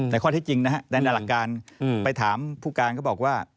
ข้อที่จริงนะฮะในหลักการไปถามผู้การเขาบอกว่า